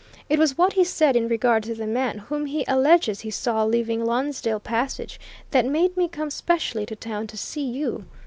It was what he said in regard to the man whom he alleges he saw leaving Lonsdale Passage that made me come specially to town to see you.